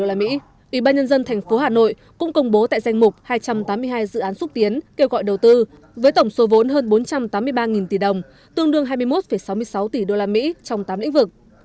ủy ban nhân dân thành phố hà nội cũng công bố tại danh mục hai trăm tám mươi hai dự án xúc tiến kêu gọi đầu tư với tổng số vốn hơn bốn trăm tám mươi ba tỷ đồng tương đương hai mươi một sáu mươi sáu tỷ usd trong tám lĩnh vực